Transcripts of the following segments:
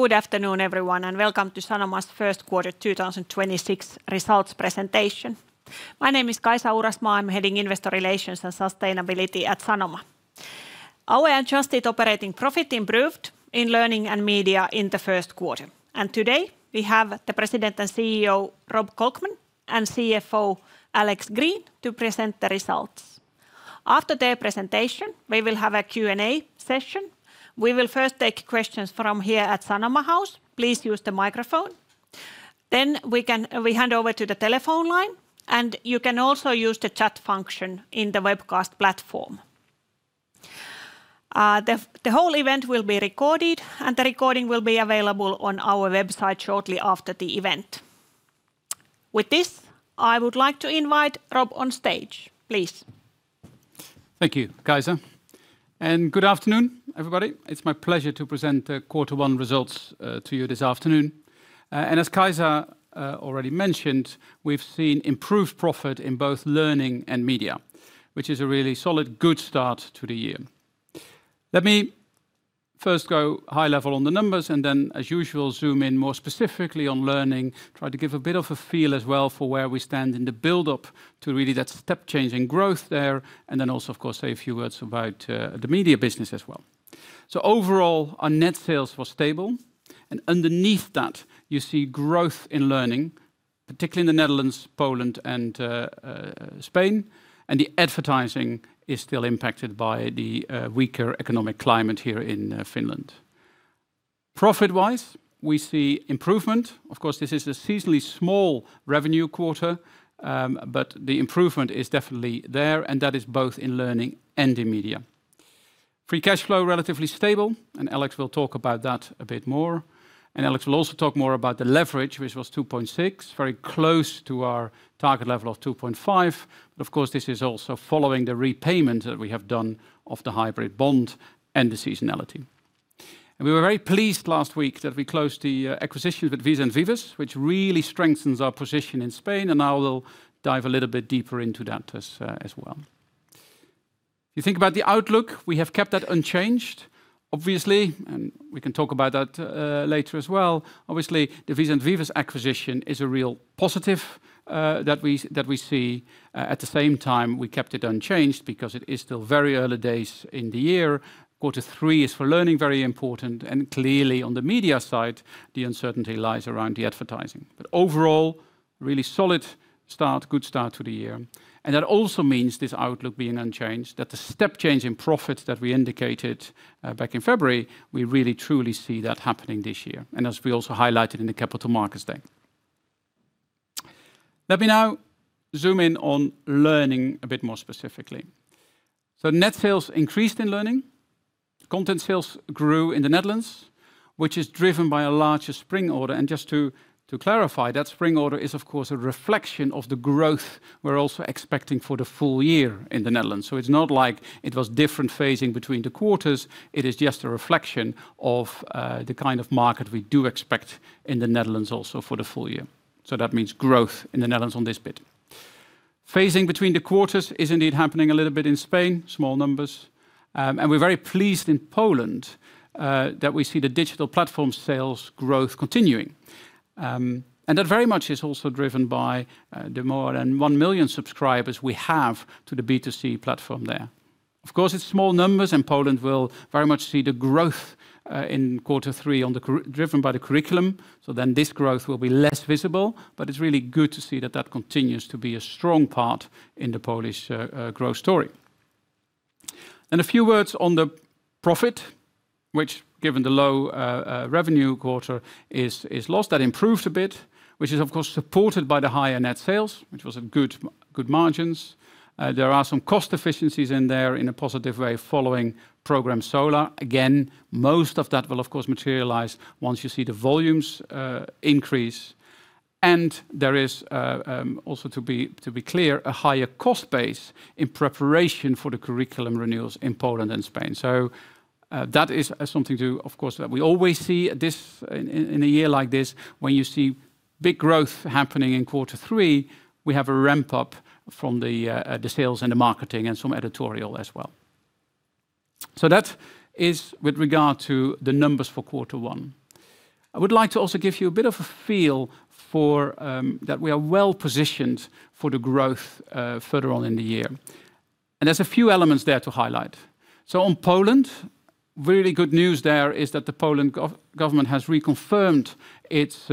Good afternoon, everyone, and welcome to Sanoma's first quarter 2026 results presentation. My name is Kaisa Uurasmaa. I'm heading Investor Relations and Sustainability at Sanoma. Our adjusted operating profit improved in learning and media in the first quarter. Today, we have the President and CEO Rob Kolkman and CFO Alex Green to present the results. After their presentation, we will have a Q&A session. We will first take questions from here at Sanoma House. Please use the microphone. We hand over to the telephone line, and you can also use the chat function in the webcast platform. The whole event will be recorded, and the recording will be available on our website shortly after the event. With this, I would like to invite Rob on stage, please. Thank you, Kaisa. Good afternoon, everybody. It's my pleasure to present the quarter one results to you this afternoon. As Kaisa already mentioned, we've seen improved profit in both learning and media, which is a really solid, good start to the year. Let me first go high level on the numbers and then, as usual, zoom in more specifically on learning, try to give a bit of a feel as well for where we stand in the build-up to really that step change in growth there, and then also, of course, say a few words about the media business as well. Overall, our net sales were stable, and underneath that, you see growth in learning, particularly in the Netherlands, Poland, and Spain. The advertising is still impacted by the weaker economic climate here in Finland. Profit-wise, we see improvement. Of course, this is a seasonally small revenue quarter, but the improvement is definitely there, and that is both in Learning and in Media. Free cash flow, relatively stable, and Alex will talk about that a bit more. Alex will also talk more about the leverage, which was 2.6x, very close to our target level of 2.5x. Of course, this is also following the repayment that we have done of the hybrid bond and the seasonality. We were very pleased last week that we closed the acquisitions with Vicens Vives, which really strengthens our position in Spain, and I will dive a little bit deeper into that as well. You think about the outlook, we have kept that unchanged, obviously, and we can talk about that later as well. Obviously, the Vicens Vives acquisition is a real positive that we see. At the same time, we kept it unchanged because it is still very early days in the year. Quarter three is for learning, very important, clearly on the media side, the uncertainty lies around the advertising. Overall, really solid start, good start to the year. That also means this outlook being unchanged, that the step change in profit that we indicated back in February, we really truly see that happening this year, and as we also highlighted in the Capital Markets Day. Let me now zoom in on learning a bit more specifically. Net sales increased in learning. Content sales grew in the Netherlands, which is driven by a larger spring order. Just to clarify, that spring order is of course a reflection of the growth we're also expecting for the full year in the Netherlands. It's not like it was different phasing between the quarters. It is just a reflection of the kind of market we do expect in the Netherlands also for the full year. That means growth in the Netherlands on this bit. Phasing between the quarters is indeed happening a little bit in Spain, small numbers. We're very pleased in Poland that we see the digital platform sales growth continuing. That very much is also driven by the more than 1 million subscribers we have to the B2C platform there. Of course, it's small numbers, and Poland will very much see the growth in quarter 3 driven by the curriculum. This growth will be less visible. It's really good to see that that continues to be a strong part in the Polish growth story. A few words on the profit, which, given the low revenue quarter, is lost. That improved a bit, which is of course supported by the higher net sales, which was good margins. There are some cost efficiencies in there in a positive way following Program Solar. Again, most of that will of course materialize once you see the volumes increase. There is also to be clear a higher cost base in preparation for the curriculum renewals in Poland and Spain. That is something to, of course, that we always see this in a year like this when you see big growth happening in quarter 3, we have a ramp-up from the sales and the marketing and some editorial as well. That is with regard to the numbers for quarter 1. I would like to also give you a bit of a feel for that we are well-positioned for the growth further on in the year. There's a few elements there to highlight. On Poland, really good news there is that the Poland government has reconfirmed its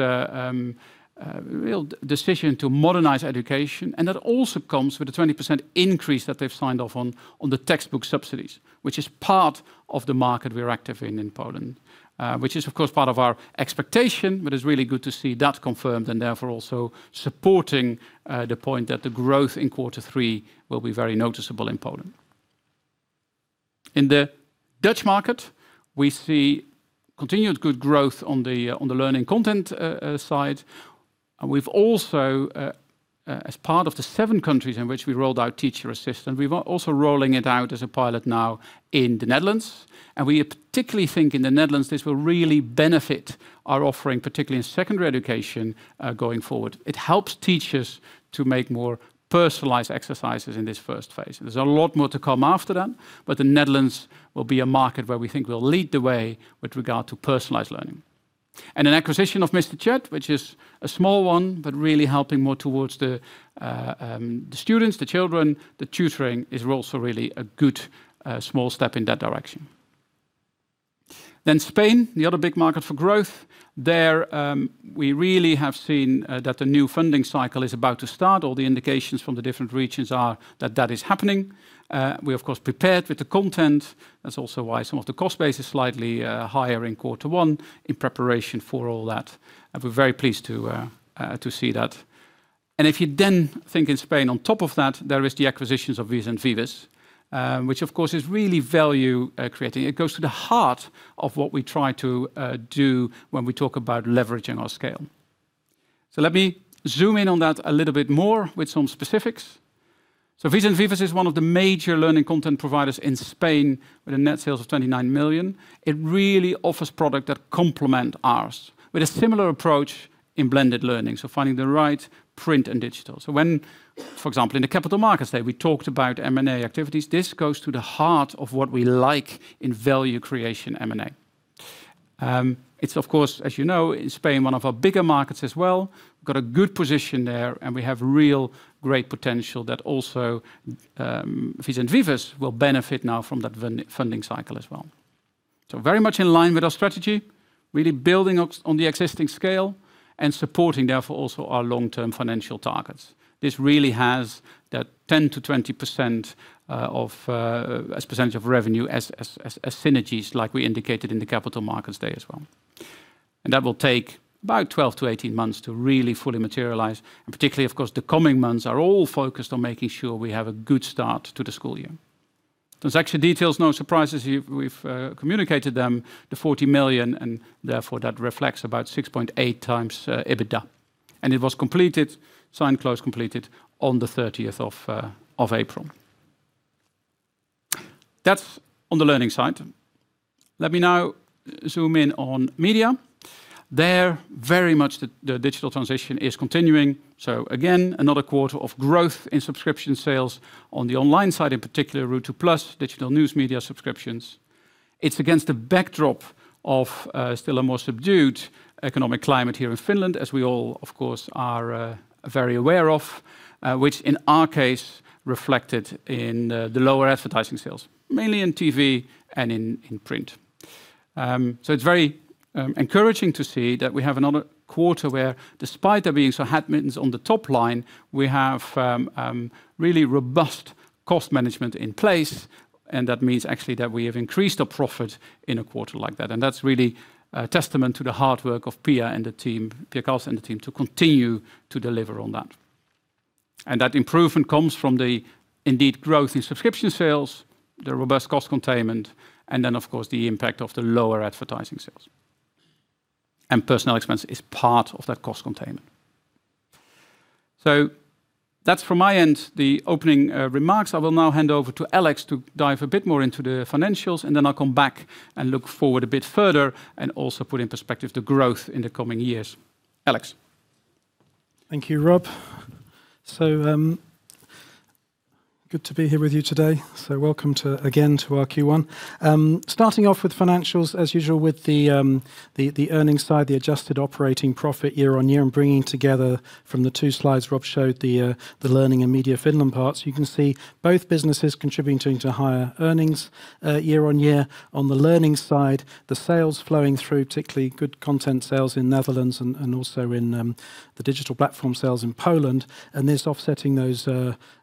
real decision to modernize education, and that also comes with a 20% increase that they've signed off on the textbook subsidies, which is part of the market we're active in in Poland. Which is of course part of our expectation, but it's really good to see that confirmed and therefore also supporting the point that the growth in quarter three will be very noticeable in Poland. In the Dutch market, we see continued good growth on the learning content side. We've also as part of the seven countries in which we rolled out Teacher Assistant, we've also rolling it out as a pilot now in the Netherlands. We particularly think in the Netherlands, this will really benefit our offering, particularly in secondary education going forward. It helps teachers to make more personalized exercises in this first phase. There's a lot more to come after that, but the Netherlands will be a market where we think will lead the way with regard to personalized learning. An acquisition of Mr. Chadd, which is a small one, but really helping more towards the students, the children. The tutoring is also really a good, small step in that direction. Spain, the other big market for growth. There we really have seen that the new funding cycle is about to start. All the indications from the different regions are that that is happening. We of course prepared with the content. That's also why some of the cost base is slightly higher in quarter one in preparation for all that. We're very pleased to see that. If you then think in Spain on top of that, there is the acquisitions of Vicens Vives, which of course is really value creating. It goes to the heart of what we try to do when we talk about leveraging our scale. Let me zoom in on that a little bit more with some specifics. Vicens Vives is one of the major learning content providers in Spain with a net sales of 29 million. It really offers product that complement ours with a similar approach in blended learning, so finding the right print and digital. When, for example, in the Capital Markets Day, we talked about M&A activities, this goes to the heart of what we like in value creation M&A. It's of course, as you know, in Spain, one of our bigger markets as well. Got a good position there, we have real great potential that also Vicens Vives will benefit now from that funding cycle as well. Very much in line with our strategy, really building on the existing scale and supporting therefore also our long-term financial targets. This really has that 10%-20% as percentage of revenue as synergies like we indicated in the Capital Markets Day as well. That will take about 12-18 months to really fully materialize. Particularly of course, the coming months are all focused on making sure we have a good start to the school year. Transaction details, no surprises. We've communicated them, the 40 million, and therefore that reflects about 6.8x EBITDA. It was completed, signed, closed, completed on the 30th of April. That's on the learning side. Let me now zoom in on media. There, very much the digital transition is continuing, again, another quarter of growth in subscription sales on the online side, in particular Ruutu+ digital news media subscriptions. It's against a backdrop of still a more subdued economic climate here in Finland, as we all of course are very aware of, which in our case reflected in the lower advertising sales, mainly in TV and in print. It's very encouraging to see that we have another quarter where despite there being some headwinds on the top line, we have really robust cost management in place, and that means actually that we have increased our profit in a quarter like that. That's really a testament to the hard work of Pia and the team, Pia Kalsta and the team, to continue to deliver on that. That improvement comes from the indeed growth in subscription sales, the robust cost containment, and of course, the impact of the lower advertising sales. Personnel expense is part of that cost containment. That's from my end, the opening remarks. I will now hand over to Alex to dive a bit more into the financials, and I'll come back and look forward a bit further and also put in perspective the growth in the coming years. Alex. Thank you, Rob. Good to be here with you today. Welcome to, again, to our Q1. Starting off with financials as usual with the earnings side, the adjusted operating profit year-on-year, and bringing together from the two slides Rob showed, the Learning and Media Finland parts. You can see both businesses contributing to higher earnings year-on-year. On the learning side, the sales flowing through, particularly good content sales in Netherlands and also in the digital platform sales in Poland. This offsetting those,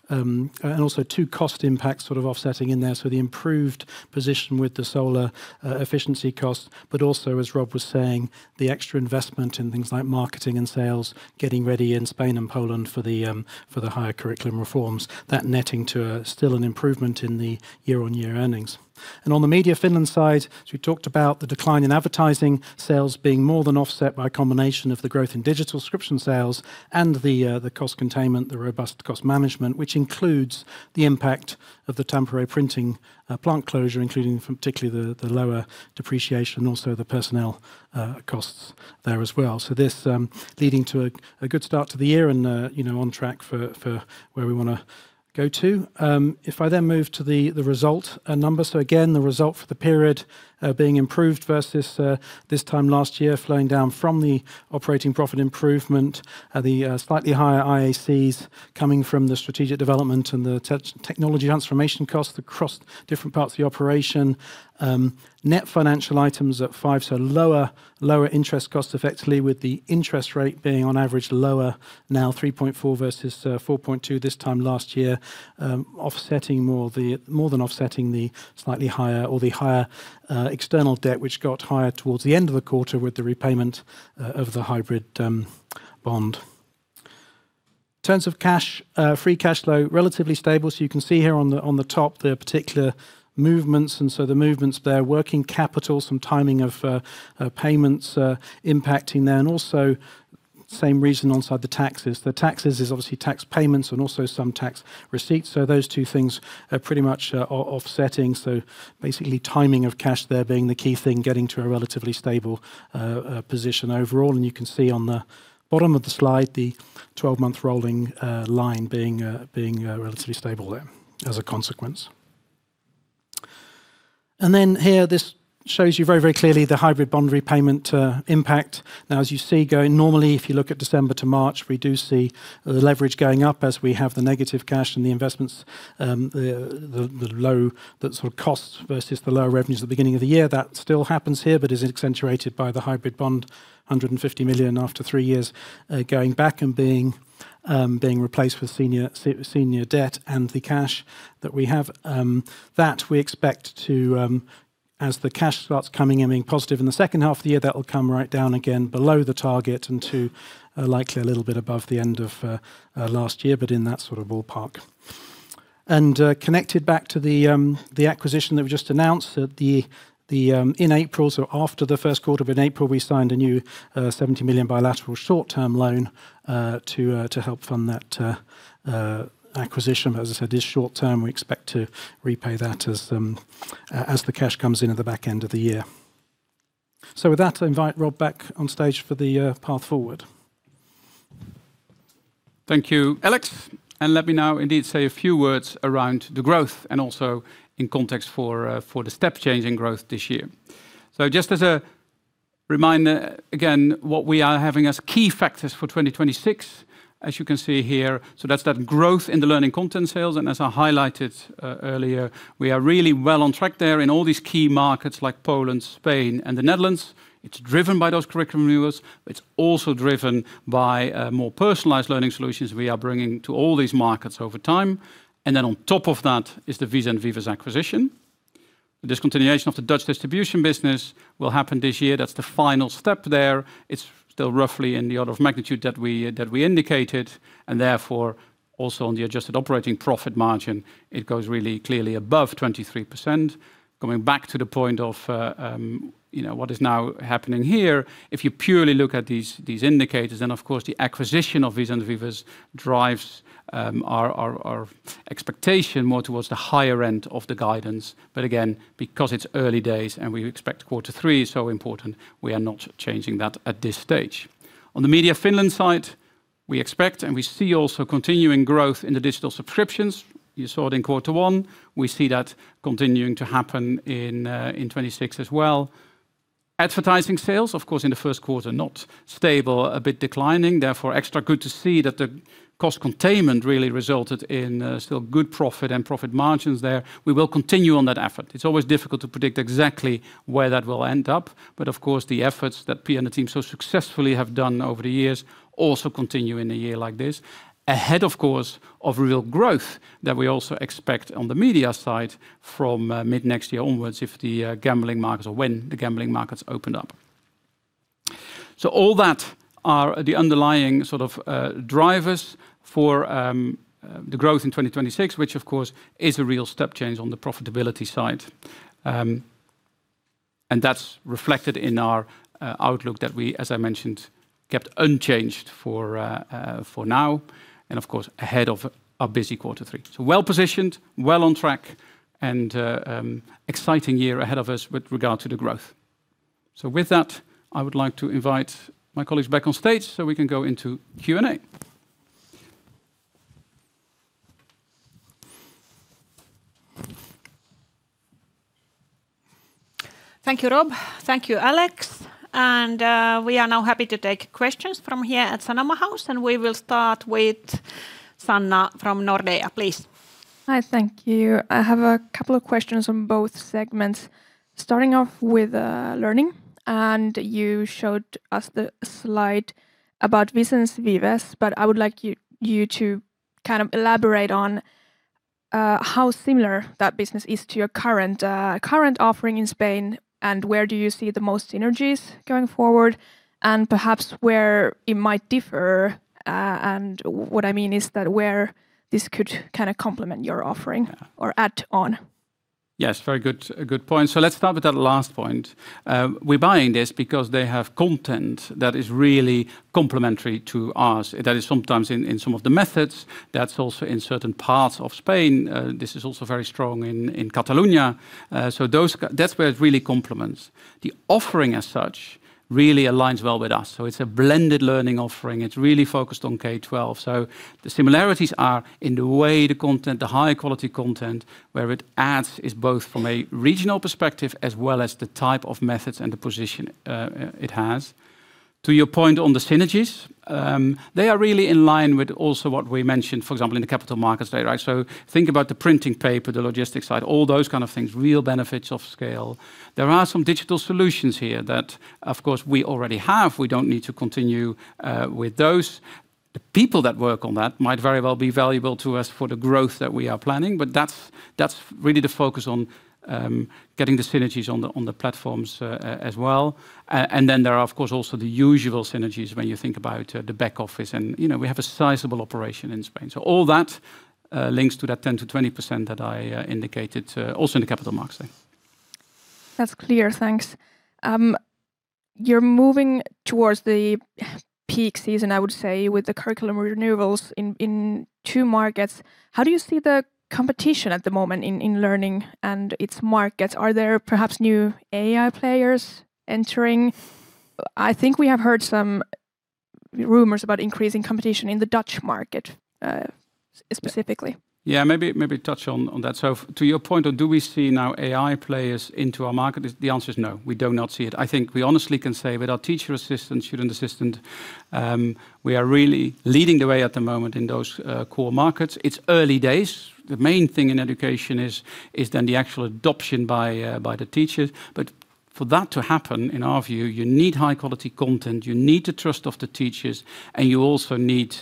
and also two cost impacts sort of offsetting in there. The improved position with the Solar efficiency cost, but also, as Rob was saying, the extra investment in things like marketing and sales, getting ready in Spain and Poland for the higher curriculum reforms. That netting to still an improvement in the year-on-year earnings. On the Media Finland side, as we talked about, the decline in advertising sales being more than offset by a combination of the growth in digital subscription sales and the cost containment, the robust cost management, which includes the impact of the temporary printing plant closure, including from particularly the lower depreciation, also the personnel costs there as well. This leading to a good start to the year and, you know, on track for where we wanna go to. If I then move to the result numbers. Again, the result for the period, being improved versus this time last year, flowing down from the operating profit improvement, the slightly higher IACs coming from the strategic development and the technology transformation cost across different parts of the operation. Net financial items at 5, lower interest costs effectively with the interest rate being on average lower now 3.4 versus 4.2 this time last year, more than offsetting the slightly higher or the higher external debt, which got higher towards the end of the quarter with the repayment of the hybrid bond. In terms of cash, free cash flow, relatively stable. You can see here on the top, there are particular movements, the movements there, working capital, some timing of payments impacting there, and also same reason inside the taxes. The taxes is obviously tax payments and also some tax receipts. Those two things are pretty much offsetting, so basically timing of cash there being the key thing, getting to a relatively stable position overall. You can see on the bottom of the slide, the 12-month rolling line being relatively stable there as a consequence. Here, this shows you very, very clearly the hybrid bond repayment impact. As you see going normally, if you look at December to March, we do see the leverage going up as we have the negative cash and the investments, the low-- that sort of costs versus the lower revenues at the beginning of the year. That still happens here, but is accentuated by the hybrid bond 150 million after 3 years, going back and being replaced with senior debt and the cash that we have. That we expect to, as the cash starts coming in, being positive in the second half of the year, that will come right down again below the target and to likely a little bit above the end of last year, but in that sort of ballpark. Connected back to the acquisition that we just announced that the in April, so after the 1st quarter of in April, we signed a new 70 million bilateral short-term loan to help fund that acquisition. As I said, it is short term. We expect to repay that as the cash comes in at the back end of the year. With that, I invite Rob back on stage for the path forward. Thank you, Alex. Let me now indeed say a few words around the growth and also in context for the step change in growth this year. Just as a reminder, again, what we are having as key factors for 2026, as you can see here, that's that growth in the learning content sales, and as I highlighted earlier, we are really well on track there in all these key markets like Poland, Spain, and the Netherlands. It's driven by those curriculum renewals. It's also driven by more personalized learning solutions we are bringing to all these markets over time. Then on top of that is the Vicens Vives acquisition. The discontinuation of the Dutch distribution business will happen this year. That's the final step there. It's still roughly in the order of magnitude that we indicated, therefore also on the adjusted operating profit margin, it goes really clearly above 23%. Going back to the point of, you know, what is now happening here, if you purely look at these indicators, then of course the acquisition of Vicens Vives drives our expectation more towards the higher end of the guidance. Again, because it's early days and we expect quarter 3 is so important, we are not changing that at this stage. On the Media Finland side, we expect and we see also continuing growth in the digital subscriptions. You saw it in quarter one. We see that continuing to happen in 2026 as well. Advertising sales, of course, in the first quarter, not stable, a bit declining, therefore extra good to see that the cost containment really resulted in still good profit and profit margins there. We will continue on that effort. It's always difficult to predict exactly where that will end up, but of course, the efforts that Pia and the team so successfully have done over the years also continue in a year like this. Ahead, of course, of real growth that we also expect on the media side from mid-next year onwards if the gambling markets or when the gambling markets open up. All that are the underlying sort of drivers for the growth in 2026, which of course is a real step change on the profitability side. That's reflected in our outlook that we, as I mentioned, kept unchanged for now, and of course, ahead of a busy quarter three. Well-positioned, well on track, and exciting year ahead of us with regard to the growth. With that, I would like to invite my colleagues back on stage so we can go into Q&A. Thank you, Rob. Thank you, Alex. We are now happy to take questions from here at Sanoma House, and we will start with Sanna from Nordea, please. Hi, thank you. I have a couple of questions on both segments. Starting off with learning, and you showed us the slide about Vicens Vives, but I would like you to kind of elaborate on how similar that business is to your current offering in Spain, and where do you see the most synergies going forward, and perhaps where it might differ. And what I mean is that where this could kinda complement your offering or add on. Yes, very good, a good point. Let's start with that last point. We're buying this because they have content that is really complementary to us. That is sometimes in some of the methods. That's also in certain parts of Spain. This is also very strong in Catalonia. That's where it really complements. The offering as such really aligns well with us. It's a blended learning offering. It's really focused on K-12. The similarities are in the way the content, the high-quality content, where it adds is both from a regional perspective as well as the type of methods and the position it has. To your point on the synergies, they are really in line with also what we mentioned, for example, in the Capital Markets Day, right? Think about the printing paper, the logistics side, all those kind of things, real benefits of scale. There are some digital solutions here that of course we already have. We don't need to continue with those. The people that work on that might very well be valuable to us for the growth that we are planning, but that's really the focus on getting the synergies on the platforms as well. Then there are of course also the usual synergies when you think about the back office and, you know, we have a sizable operation in Spain. All that links to that 10%-20% that I indicated also in the Capital Markets Day. That's clear, thanks. You're moving towards the peak season, I would say, with the curriculum renewals in two markets. How do you see the competition at the moment in learning and its markets? Are there perhaps new AI players entering? I think we have heard some rumors about increasing competition in the Dutch market. Maybe touch on that. To your point on do we see now AI players into our market, the answer is no, we do not see it. I think we honestly can say with our Teacher Assistant, student assistant, we are really leading the way at the moment in those core markets. It's early days. The main thing in education is then the actual adoption by the teachers. For that to happen, in our view, you need high-quality content, you need the trust of the teachers, and you also need,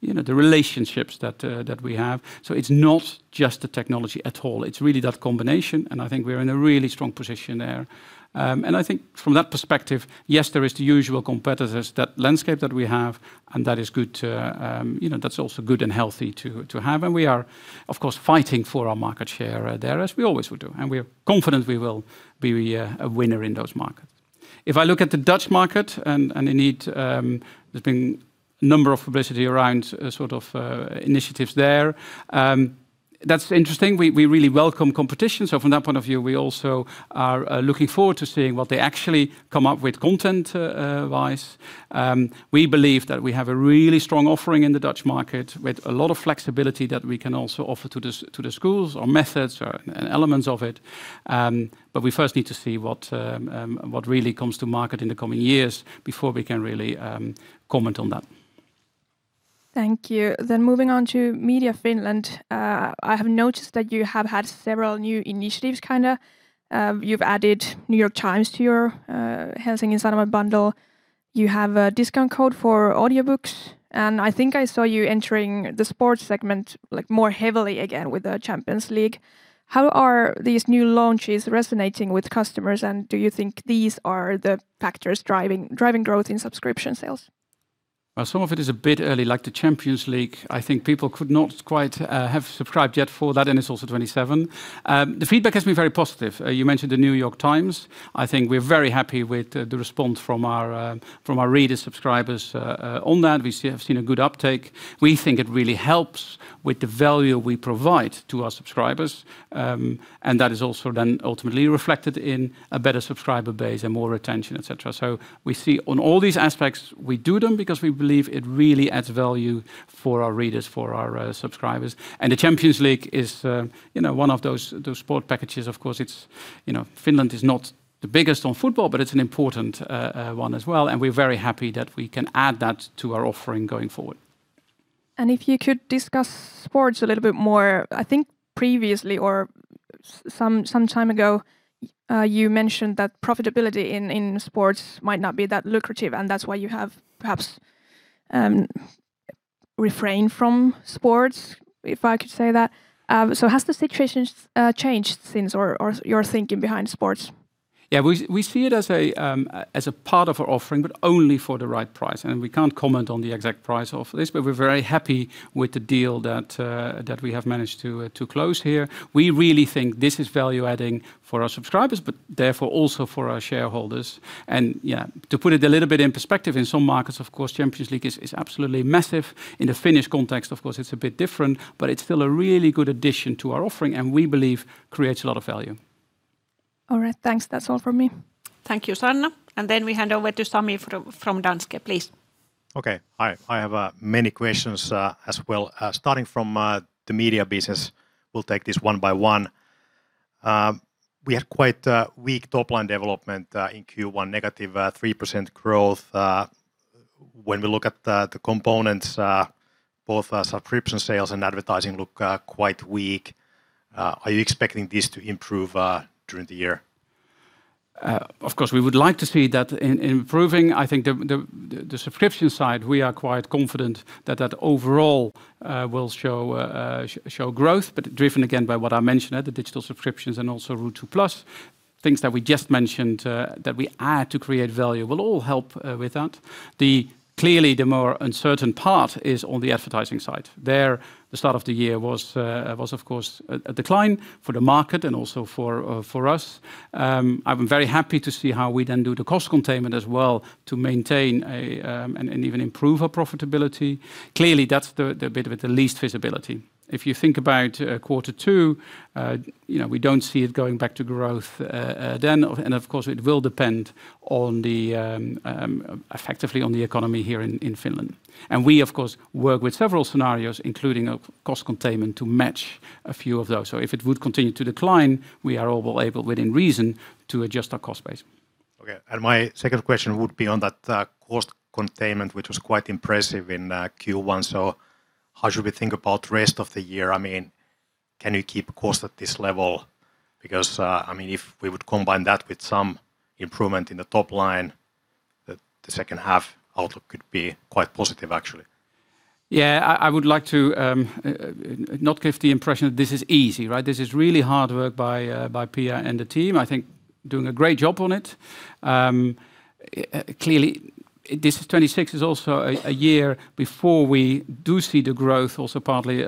you know, the relationships that we have. It's not just the technology at all. It's really that combination, and I think we're in a really strong position there. I think from that perspective, yes, there is the usual competitors, that landscape that we have, and that is good to, you know, that's also good and healthy to have. We are of course fighting for our market share there as we always will do, and we are confident we will be a winner in those markets. If I look at the Dutch market and indeed, there's been a number of publicity around sort of initiatives there, that's interesting. We really welcome competition. From that point of view, we also are looking forward to seeing what they actually come up with content wise. We believe that we have a really strong offering in the Dutch market with a lot of flexibility that we can also offer to the schools or methods or, and elements of it. We first need to see what really comes to market in the coming years before we can really comment on that. Thank you. Moving on to Media Finland. I have noticed that you have had several new initiatives, kinda. You've added New York Times to your Helsingin Sanomat bundle. You have a discount code for audiobooks, and I think I saw you entering the sports segment, like, more heavily again with the Champions League. How are these new launches resonating with customers, and do you think these are the factors driving growth in subscription sales? Some of it is a bit early, like the Champions League. I think people could not quite have subscribed yet for that, and it's also 27. The feedback has been very positive. You mentioned The New York Times. I think we're very happy with the response from our reader subscribers on that. We have seen a good uptake. We think it really helps with the value we provide to our subscribers, and that is also then ultimately reflected in a better subscriber base and more retention, et cetera. We see on all these aspects, we do them because we believe it really adds value for our readers, for our subscribers. The Champions League is, you know, one of those sport packages. Of course, it's, you know, Finland is not the biggest on football, but it's an important one as well, and we're very happy that we can add that to our offering going forward. If you could discuss sports a little bit more. I think previously or some time ago, you mentioned that profitability in sports might not be that lucrative, and that's why you have perhaps refrained from sports, if I could say that. Has the situation changed since or your thinking behind sports? We see it as a part of our offering, but only for the right price. We can't comment on the exact price of this, but we're very happy with the deal that we have managed to close here. We really think this is value-adding for our subscribers, but therefore also for our shareholders. To put it a little bit in perspective, in some markets, of course, Champions League is absolutely massive. In the Finnish context, of course, it's a bit different, but it's still a really good addition to our offering and we believe creates a lot of value. All right. Thanks. That is all from me. Thank you, Sanna. We hand over to Sami from Danske, please. Okay. I have many questions as well, starting from the media business. We'll take this one by one. We had quite a weak top line development in Q1, negative 3% growth. When we look at the components, both subscription sales and advertising look quite weak. Are you expecting this to improve during the year? Of course, we would like to see that improving. I think the subscription side, we are quite confident that that overall will show solid growth, but driven again by what I mentioned, the digital subscriptions and also Ruutu+, things that we just mentioned, that we add to create value will all help with that. Clearly, the more uncertain part is on the advertising side. There, the start of the year was of course a decline for the market and also for us. I'm very happy to see how we then do the cost containment as well to maintain an even improved profitability. Clearly, that's the bit with the least visibility. If you think about quarter two, you know, we don't see it going back to growth then. Of course it will depend on the effectively on the economy here in Finland. We of course work with several scenarios, including a cost containment to match a few of those. If it would continue to decline, we are all well able within reason to adjust our cost base. My second question would be on that cost containment, which was quite impressive in Q1. How should we think about rest of the year? I mean, can you keep cost at this level? I mean, if we would combine that with some improvement in the top line, the second half outlook could be quite positive, actually. Yeah. I would like to not give the impression that this is easy, right? This is really hard work by Pia and the team. I think doing a great job on it. Clearly, this 2026 is also a year before we do see the growth, also partly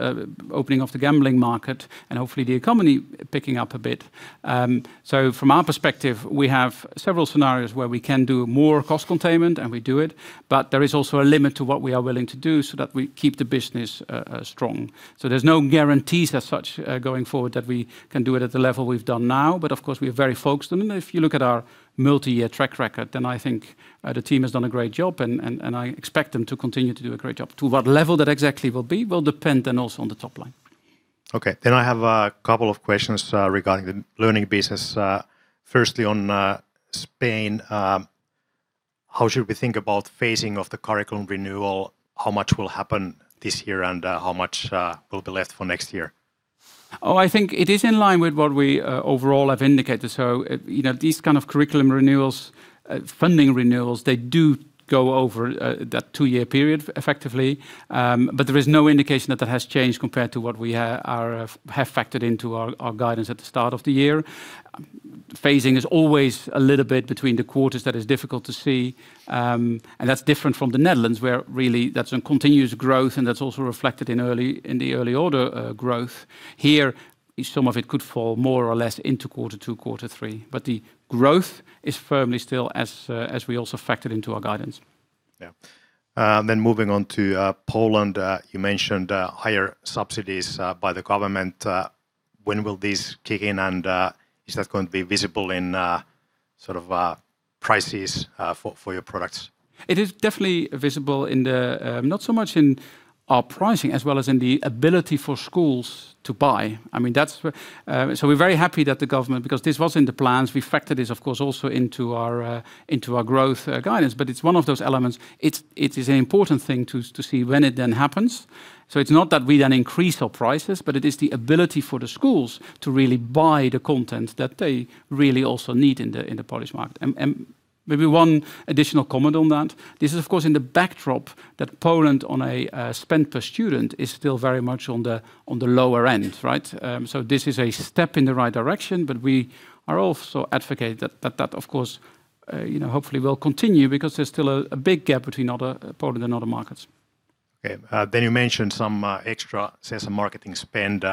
opening of the gambling market and hopefully the economy picking up a bit. From our perspective, we have several scenarios where we can do more cost containment, and we do it, but there is also a limit to what we are willing to do so that we keep the business strong. There's no guarantees as such going forward that we can do it at the level we've done now. Of course, we are very focused on them. If you look at our multi-year track record, then I think, the team has done a great job and I expect them to continue to do a great job. To what level that exactly will be will depend then also on the top line. I have a couple of questions regarding the learning business. Firstly on Spain, how should we think about phasing of the curriculum renewal? How much will happen this year and how much will be left for next year? I think it is in line with what we overall have indicated. You know, these kind of curriculum renewals, funding renewals, they do go over that two-year period effectively. There is no indication that that has changed compared to what we have factored into our guidance at the start of the year. Phasing is always a little bit between the quarters that is difficult to see. That's different from the Netherlands, where really that's a continuous growth, and that's also reflected in early, in the early order growth. Here, some of it could fall more or less into quarter two, quarter three. The growth is firmly still as we also factored into our guidance. Yeah. Moving on to Poland. You mentioned higher subsidies by the government. When will these kick in and is that going to be visible in sort of prices for your products? It is definitely visible in the not so much in our pricing as well as in the ability for schools to buy. I mean, that's where. We're very happy that the government, because this was in the plans. We factored this, of course, also into our into our growth guidance, but it's one of those elements. It is an important thing to see when it then happens. It's not that we then increase our prices, but it is the ability for the schools to really buy the content that they really also need in the Polish market. Maybe one additional comment on that. This is of course in the backdrop that Poland on a spend per student is still very much on the lower end, right? This is a step in the right direction, but we are also advocating that of course, you know, hopefully will continue because there's still a big gap between Poland and other markets. Okay. You mentioned some extra sales and marketing spend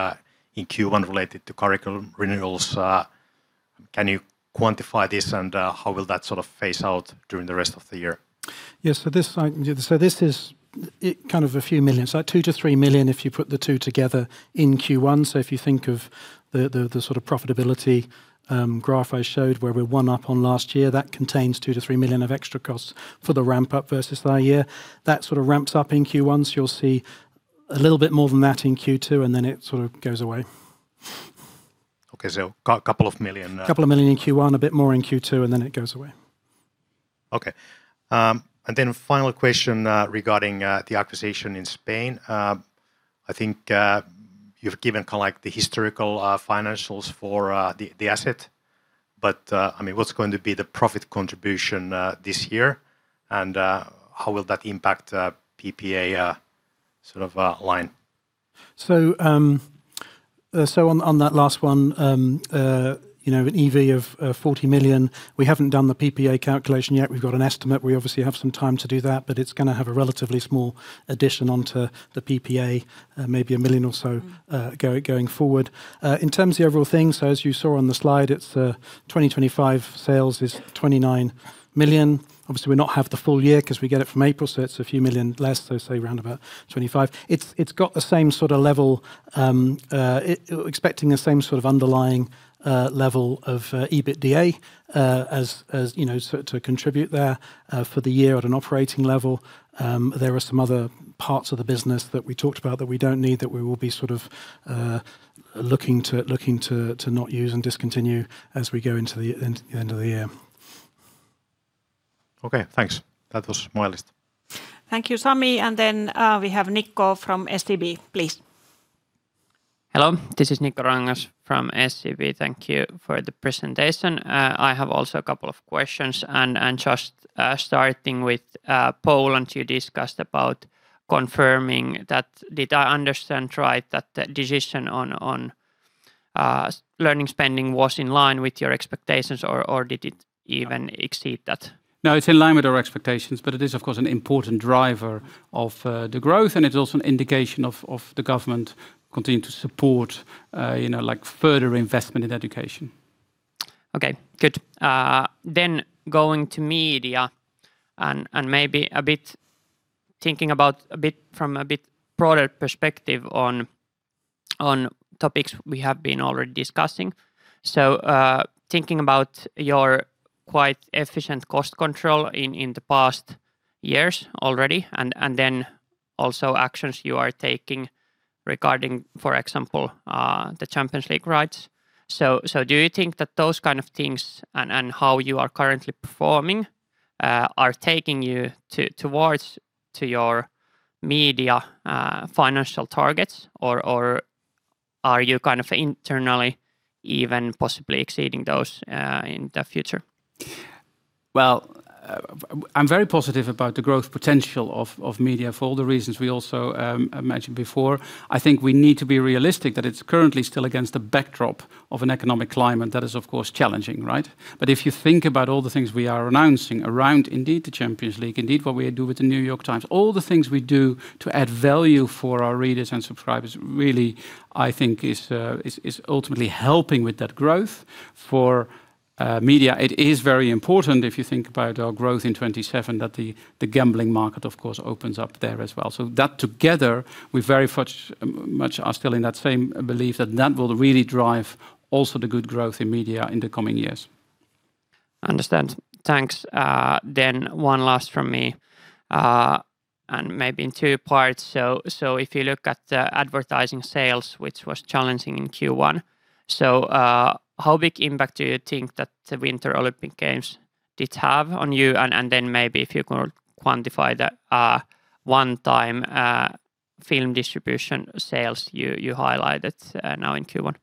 in Q1 related to curriculum renewals. Can you quantify this and how will that sort of phase out during the rest of the year? Yes. This is kind of a few million. 2 million-3 million if you put the two together in Q1. If you think of the sort of profitability graph I showed where we're one up on last year, that contains 2 million-3 million of extra costs for the ramp up versus that year. That sort of ramps up in Q1, so you'll see a little bit more than that in Q2, and then it sort of goes away. Okay. couple of million. 2 million in Q1, a bit more in Q2, and then it goes away. Okay. Final question regarding the acquisition in Spain. I think you've given like the historical financials for the asset, but I mean, what's going to be the profit contribution this year and how will that impact PPA sort of line? On, on that last one, you know, an EV of 40 million. We haven't done the PPA calculation yet. We've got an estimate. We obviously have some time to do that, but it's gonna have a relatively small addition onto the PPA, maybe 1 million or so going forward. In terms of the overall thing, as you saw on the slide, it's 2025 sales is 29 million. Obviously we not have the full year 'cause we get it from April, it's a few million EUR less, say round about 25 million. It's got the same sort of level, it Expecting the same sort of underlying level of EBITDA as, you know, to contribute there for the year at an operating level. There are some other parts of the business that we talked about that we don't need, that we will be sort of, looking to not use and discontinue as we go into the end of the year. Okay, thanks. That was my list. Thank you, Sami. We have Nikko from SEB, please. Hello. This is Nikko Ruokangas from SEB. Thank you for the presentation. I have also a couple of questions. Just starting with Poland, you discussed about confirming that. Did I understand right that the decision on learning spending was in line with your expectations or did it even exceed that? No, it is in line with our expectations, but it is of course an important driver of the growth and it is also an indication of the government continuing to support, you know, like further investment in education. Okay. Good. Going to media and maybe a bit thinking about from a bit broader perspective on topics we have been already discussing. Thinking about your quite efficient cost control in the past years already and then also actions you are taking regarding, for example, the Champions League rights. Do you think that those kind of things and how you are currently performing are taking you towards to your media financial targets or are you kind of internally even possibly exceeding those in the future? Well, I'm very positive about the growth potential of media for all the reasons we also mentioned before. I think we need to be realistic that it's currently still against the backdrop of an economic climate that is, of course, challenging, right? If you think about all the things we are announcing around indeed the Champions League, indeed what we do with The New York Times, all the things we do to add value for our readers and subscribers really, I think, is ultimately helping with that growth. For media, it is very important if you think about our growth in 2027 that the gambling market of course opens up there as well. That together we very much are still in that same belief that that will really drive also the good growth in media in the coming years. Understand. Thanks. One last from me, and maybe in two parts. If you look at the advertising sales which was challenging in Q1, how big impact do you think that the Winter Olympic Games did have on you? Maybe if you could quantify that one time film distribution sales you highlighted now in Q1.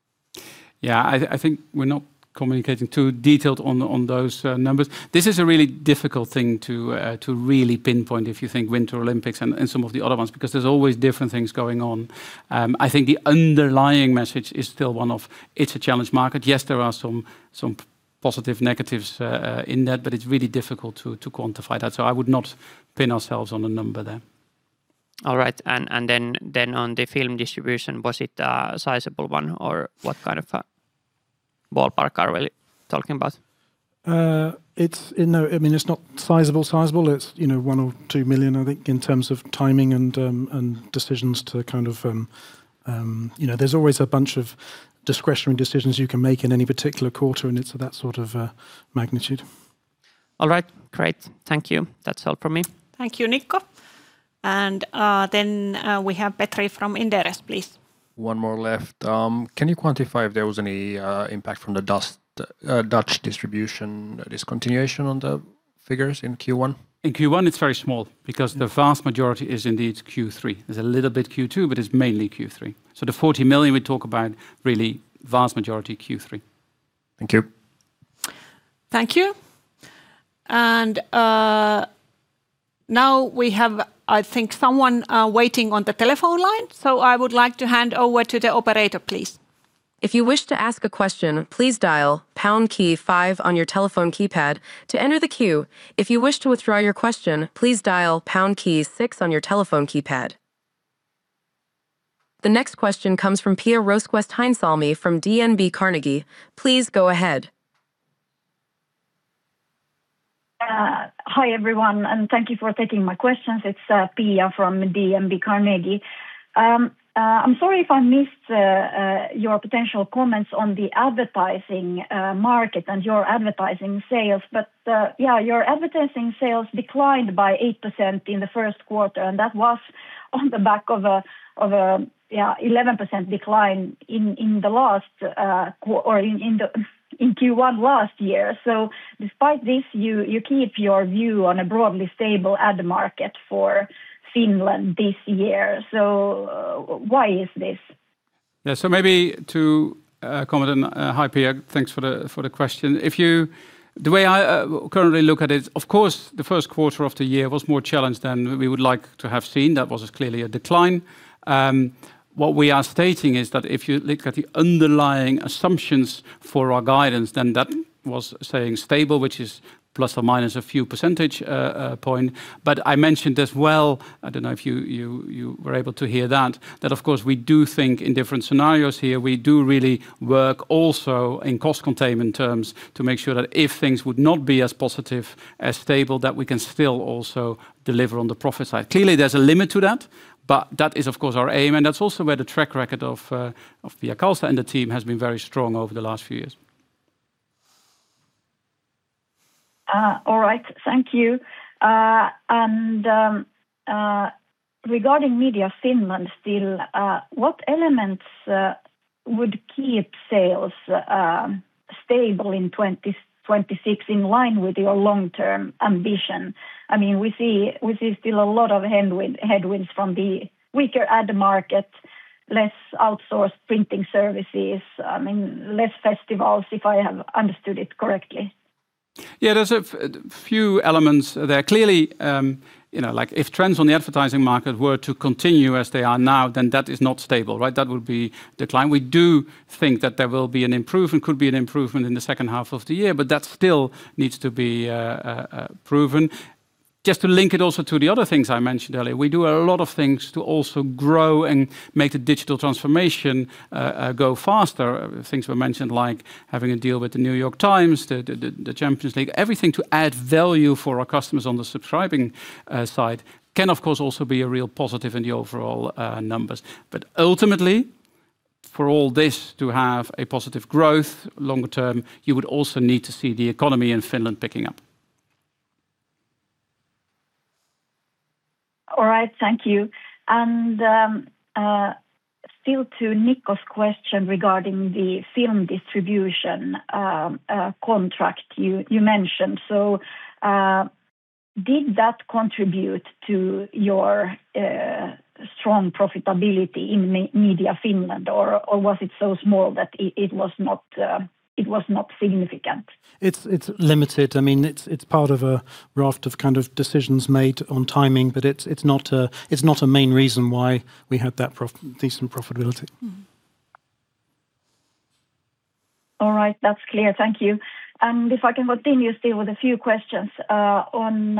I think we're not communicating too detailed on those numbers. This is a really difficult thing to really pinpoint if you think Winter Olympics and some of the other ones because there's always different things going on. I think the underlying message is still one of it's a challenge market. Yes, there are some positive negatives in that, but it's really difficult to quantify that. I would not pin ourselves on a number there. All right. On the film distribution, was it a sizable one or what kind of a ballpark are we talking about? It's, you know, I mean, it's not sizable. It's, you know, 1 million or 2 million I think in terms of timing. You know, there's always a bunch of discretionary decisions you can make in any particular quarter and it's of that sort of magnitude. All right. Great. Thank you. That's all from me. Thank you, Nikko. We have Petri from Inderes, please. One more left. Can you quantify if there was any impact from the Dutch distribution discontinuation on the figures in Q1? In Q1 it's very small because the vast majority is indeed Q3. There's a little bit Q2, but it's mainly Q3. The 40 million we talk about really vast majority Q3. Thank you. Thank you. Now we have I think someone waiting on the telephone line, so I would like to hand over to the operator please. The next question comes from Pia Rosqvist-Heinsalmi from DNB Carnegie. Please go ahead. Hi everyone and thank you for taking my questions. It's Pia from DNB Carnegie. I'm sorry if I missed your potential comments on the advertising market and your advertising sales, your advertising sales declined by 8% in the first quarter and that was on the back of a 11% decline in the last or in Q1 last year. Despite this you keep your view on a broadly stable ad market for Finland this year. Why is this? Yeah. Maybe to comment and hi Pia, thanks for the question. The way I currently look at it, of course the first quarter of the year was more challenged than we would like to have seen. That was clearly a decline. What we are stating is that if you look at the underlying assumptions for our guidance then that was staying stable which is plus or minus a few percentage point. I mentioned as well, I don't know if you were able to hear that of course we do think in different scenarios here. We do really work also in cost containment terms to make sure that if things would not be as positive, as stable, that we can still also deliver on the profit side. Clearly there's a limit to that. That is of course our aim and that's also where the track record of Pia Kalsta and the team has been very strong over the last few years. Thank you. Regarding Media Finland still, what elements would keep sales stable in 2026 in line with your long-term ambition? I mean, we see still a lot of headwinds from the weaker ad market, less outsourced printing services, I mean, less festivals if I have understood it correctly. There's a few elements there. Clearly, you know, like if trends on the advertising market were to continue as they are now then that is not stable, right? That would be decline. We do think that there will be an improvement, could be an improvement in the second half of the year, but that still needs to be proven. Just to link it also to the other things I mentioned earlier. We do a lot of things to also grow and make the digital transformation go faster. Things were mentioned like having a deal with The New York Times, the Champions League. Everything to add value for our customers on the subscribing side can of course also be a real positive in the overall numbers. Ultimately for all this to have a positive growth longer term you would also need to see the economy in Finland picking up. All right. Thank you. Still to Nikko's question regarding the film distribution contract you mentioned. Did that contribute to your strong profitability in Media Finland or was it so small that it was not significant? It's limited. I mean it's part of a raft of kind of decisions made on timing but it's not a main reason why we had that decent profitability. All right. That's clear. Thank you. If I can continue still with a few questions on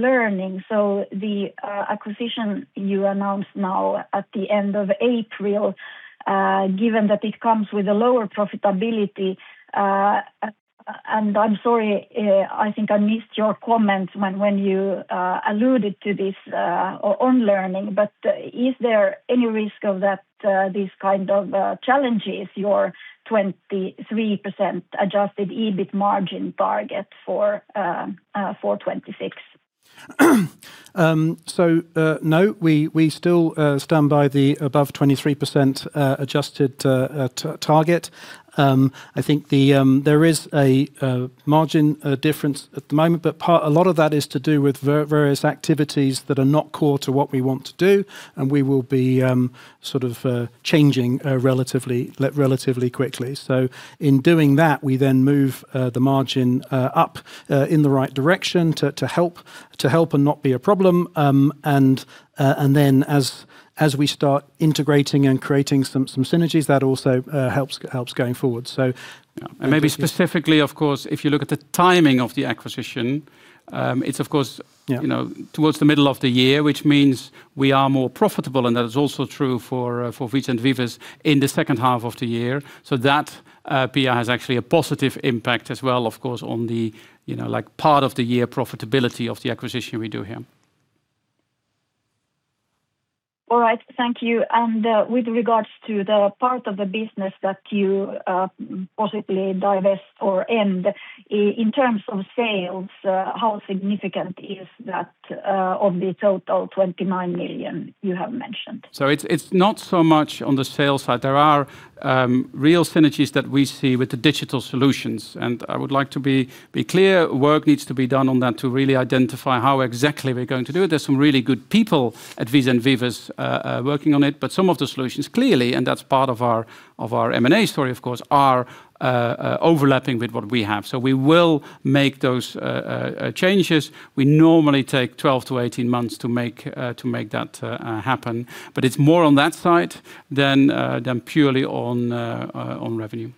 learning. The acquisition you announced now at the end of April, given that it comes with a lower profitability, and I'm sorry, I think I missed your comments when you alluded to this on learning. Is there any risk of that these kind of challenges your 23% adjusted EBIT margin target for 2026? No, we still stand by the above 23% adjusted target. I think there is a margin difference at the moment, but a lot of that is to do with various activities that are not core to what we want to do and we will be sort of changing relatively quickly. In doing that, we then move the margin up in the right direction to help and not be a problem. Then as we start integrating and creating some synergies, that also helps going forward. Yeah. Maybe specifically, of course, if you look at the timing of the acquisition, it's of course. Yeah you know, towards the middle of the year, which means we are more profitable, and that is also true for Vicens Vives in the second half of the year. That, Pia, has actually a positive impact as well, of course, on the, you know, like, part of the year profitability of the acquisition we do here. All right. Thank you. With regards to the part of the business that you possibly divest or end, in terms of sales, how significant is that of the total 29 million you have mentioned? It's not so much on the sales side. There are real synergies that we see with the digital solutions, and I would like to be clear, work needs to be done on that to really identify how exactly we're going to do it. There's some really good people at Vicens Vives working on it. Some of the solutions clearly, and that's part of our M&A story, of course, are overlapping with what we have. We will make those changes. We normally take 12 to 18 months to make that happen. It's more on that side than purely on revenue.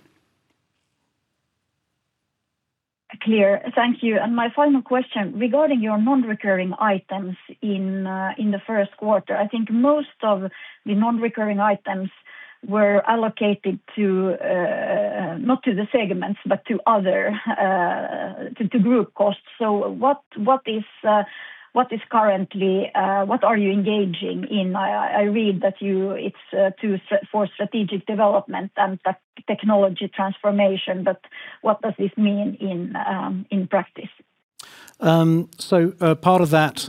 Clear. Thank you. My final question: regarding your non-recurring items in the first quarter, I think most of the non-recurring items were allocated to not to the segments, but to other to group costs. What is currently what are you engaging in? I read that it's for strategic development and that technology transformation, what does this mean in practice? Part of that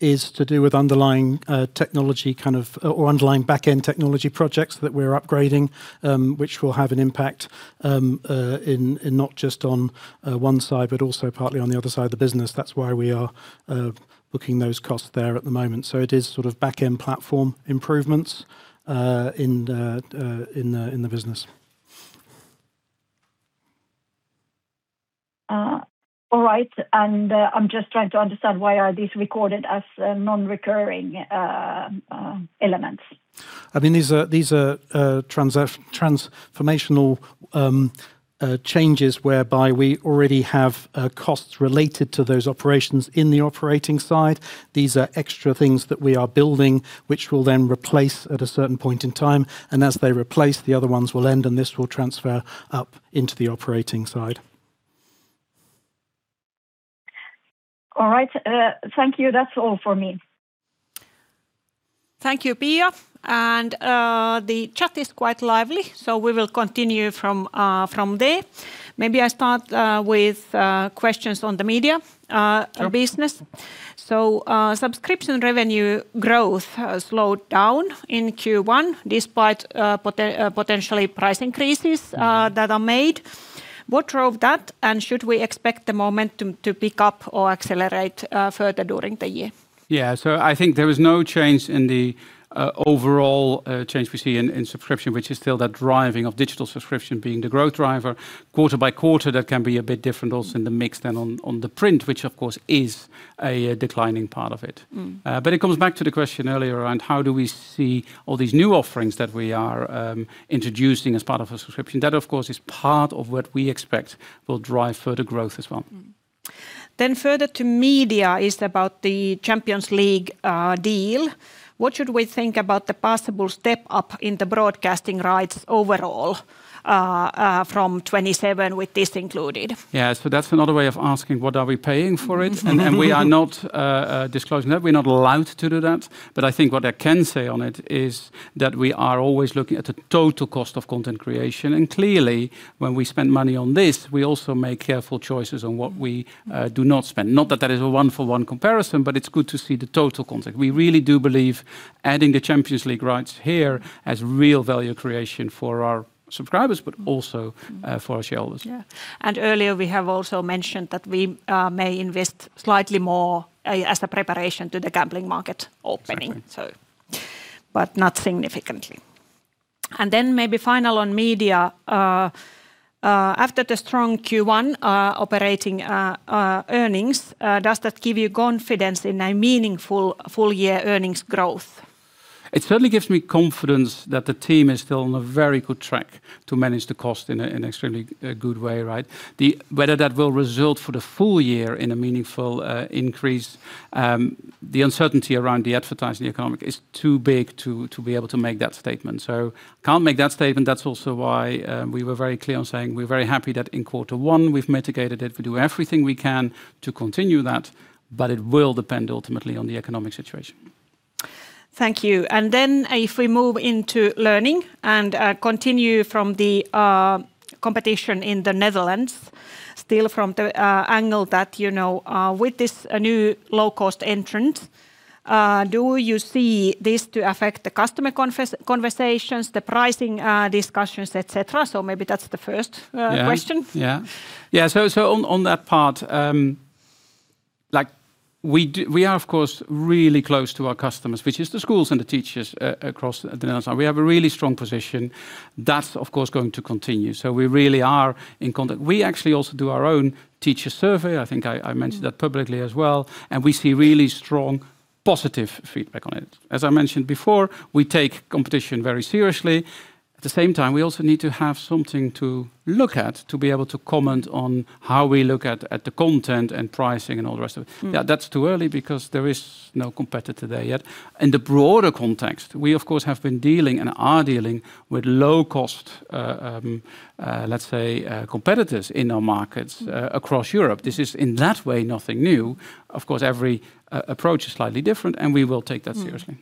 is to do with underlying technology or underlying back-end technology projects that we're upgrading, which will have an impact in not just on one side, but also partly on the other side of the business. That's why we are booking those costs there at the moment. It is sort of back-end platform improvements in the business. All right. I'm just trying to understand why are these recorded as non-recurring elements? I mean, these are transformational changes whereby we already have costs related to those operations in the operating side. These are extra things that we are building, which we'll then replace at a certain point in time. As they replace, the other ones will end, and this will transfer up into the operating side. All right. Thank you. That's all for me. Thank you, Pia. The chat is quite lively, so we will continue from there. Maybe I start with questions on the media. Sure business. subscription revenue growth has slowed down in Q1 despite potentially price increases. that are made. What drove that, and should we expect the momentum to pick up or accelerate further during the year? Yeah. I think there was no change in the overall change we see in subscription, which is still the driving of digital subscription being the growth driver. Quarter by quarter, that can be a bit different also in the mix than on the print, which of course is a declining part of it. It comes back to the question earlier around how do we see all these new offerings that we are introducing as part of a subscription. That, of course, is part of what we expect will drive further growth as well. Further to media is about the Champions League deal. What should we think about the possible step up in the broadcasting rights overall from 2027 with this included? Yeah. That's another way of asking what are we paying for it. We are not disclosing that. We're not allowed to do that. I think what I can say on it is that we are always looking at the total cost of content creation. Clearly when we spend money on this, we also make careful choices on what we do not spend. Not that that is a one-for-one comparison, but it's good to see the total content. We really do believe adding the Champions League rights here has real value creation for our subscribers, but also for our shareholders. Yeah. Earlier we have also mentioned that we may invest slightly more as a preparation to the gambling market opening. Exactly. Not significantly. Maybe final on media. After the strong Q1 operating earnings, does that give you confidence in a meaningful full year earnings growth? It certainly gives me confidence that the team is still on a very good track to manage the cost in an extremely good way, right? Whether that will result for the full year in a meaningful increase, the uncertainty around the advertising economic is too big to be able to make that statement. Can't make that statement. That's also why we were very clear on saying we're very happy that in quarter one we've mitigated it. We do everything we can to continue that, but it will depend ultimately on the economic situation. Thank you. If we move into learning and, continue from the, competition in the Netherlands, still from the, angle that, you know, with this, new low-cost entrant, do you see this to affect the customer conversations, the pricing, discussions, et cetera? Maybe that's the first, question. Yeah, yeah. Yeah, on that part, like we are of course really close to our customers, which is the schools and the teachers across the Netherlands, and we have a really strong position. That's of course going to continue, we really are in contact. We actually also do our own teacher survey. I think I mentioned that publicly as well, we see really strong positive feedback on it. As I mentioned before, we take competition very seriously. At the same time, we also need to have something to look at to be able to comment on how we look at the content and pricing and all the rest of it. Yeah, that's too early because there is no competitor there yet. In the broader context, we of course have been dealing and are dealing with low cost competitors in our markets across Europe. This is in that way nothing new. Of course, every approach is slightly different, and we will take that seriously.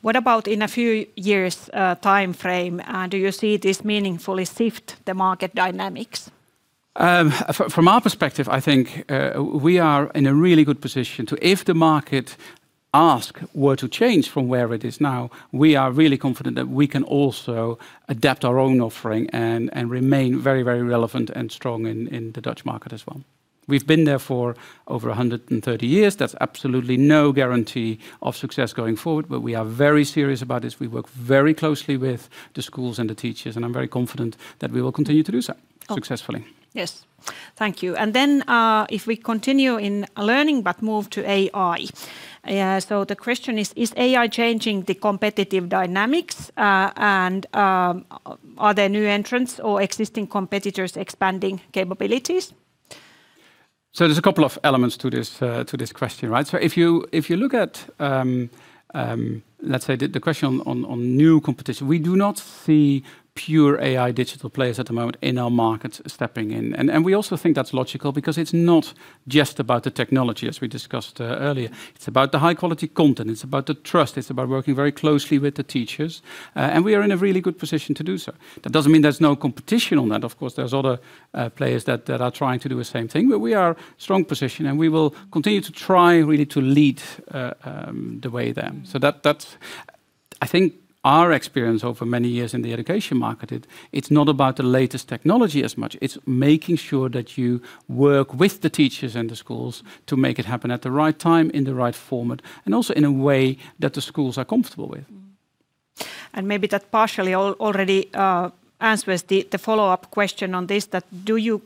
What about in a few years', timeframe, do you see this meaningfully shift the market dynamics? From our perspective, I think, we are in a really good position to if the market ask were to change from where it is now, we are really confident that we can also adapt our own offering and remain very, very relevant and strong in the Dutch market as well. We've been there for over 130 years. That's absolutely no guarantee of success going forward, but we are very serious about this. We work very closely with the schools and the teachers, and I'm very confident that we will continue to do so successfully. Yes. Thank you. Then, if we continue in learning but move to AI. The question is AI changing the competitive dynamics? Are there new entrants or existing competitors expanding capabilities? There's a couple of elements to this, to this question, right? If you look at, let's say the question on new competition, we do not see pure AI digital players at the moment in our markets stepping in. We also think that's logical because it's not just about the technology, as we discussed earlier. It's about the high-quality content. It's about the trust. It's about working very closely with the teachers. We are in a really good position to do so. That doesn't mean there's no competition on that. Of course, there's other players that are trying to do the same thing. We are strong position, and we will continue to try really to lead the way there. That's, I think, our experience over many years in the education market, it's not about the latest technology as much. It's making sure that you work with the teachers and the schools to make it happen at the right time, in the right format, and also in a way that the schools are comfortable with. Maybe that partially already answers the follow-up question on this, that do you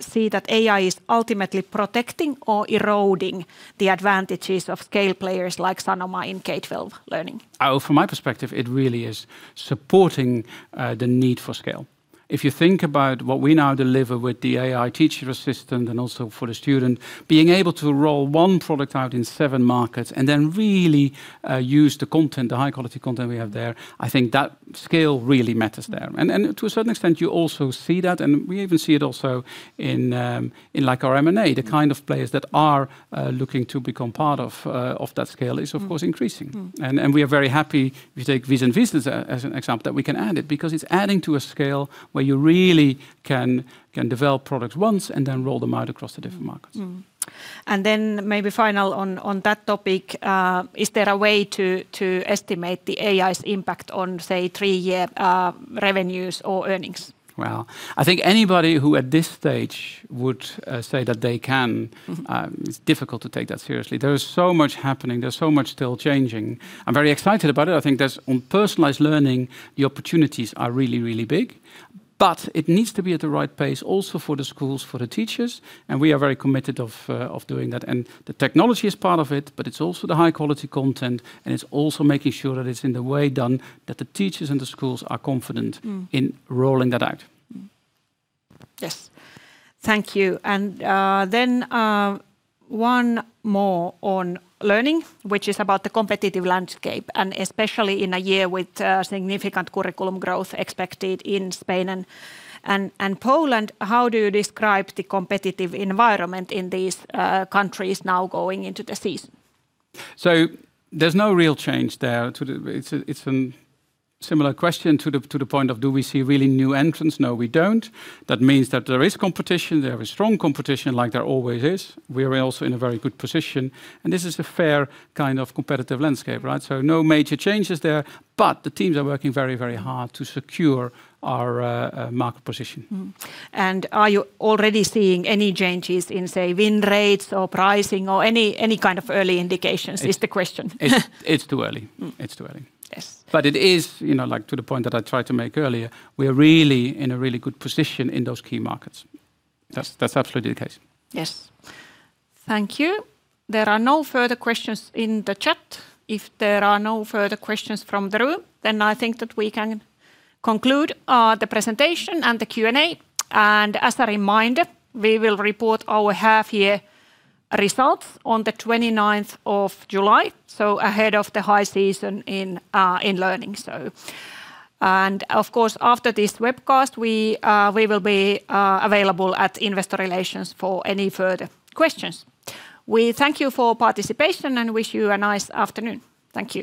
see that AI is ultimately protecting or eroding the advantages of scale players like Sanoma in K-12 learning? From my perspective, it really is supporting the need for scale. If you think about what we now deliver with the AI Teacher Assistant and also for the student, being able to roll one product out in seven markets and then really use the content, the high-quality content we have there, I think that scale really matters there. To a certain extent, you also see that, and we even see it also in like our M&A. The kind of players that are looking to become part of that scale is of course increasing. Mm. Mm. We are very happy. If you take Vicens Vives as an example that we can add it because it is adding to a scale where you really can develop products once and then roll them out across the different markets. Maybe final on that topic, is there a way to estimate the AI's impact on, say, 3-year revenues or earnings? Well, I think anybody who at this stage would say that they. It's difficult to take that seriously. There is so much happening. There's so much still changing. I'm very excited about it. I think there's, on personalized learning, the opportunities are really, really big. It needs to be at the right pace also for the schools, for the teachers, and we are very committed of doing that. The technology is part of it, but it's also the high-quality content, and it's also making sure that it's in the way done that the teachers and the schools are confident. in rolling that out. Yes. Thank you. Then one more on learning, which is about the competitive landscape, and especially in a year with significant curriculum growth expected in Spain and Poland. How do you describe the competitive environment in these countries now going into the season? There's no real change there. It's an similar question to the point of do we see really new entrants? No, we don't. That means that there is competition. There is strong competition like there always is. We are also in a very good position, and this is a fair kind of competitive landscape, right? No major changes there, but the teams are working very, very hard to secure our market position. Are you already seeing any changes in, say, win rates or pricing or any kind of early indications? It's too early. It's too early. Yes. It is, you know, like to the point that I tried to make earlier, we are really in a really good position in those key markets. That's absolutely the case. Yes. Thank you. There are no further questions in the chat. If there are no further questions from the room, I think that we can conclude the presentation and the Q&A. As a reminder, we will report our half-year results on the 29th of July, so ahead of the high season in learning, so. Of course, after this webcast, we will be available at investor relations for any further questions. We thank you for participation and wish you a nice afternoon. Thank you.